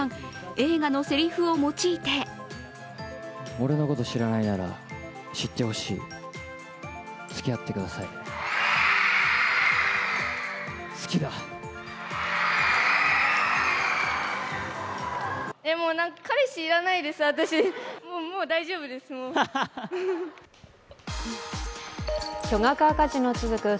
映画のせりふを用いて巨額赤字の続く